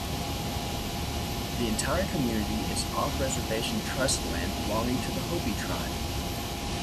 The entire community is off-reservation trust land belonging to the Hopi tribe.